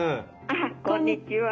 あっこんにちは。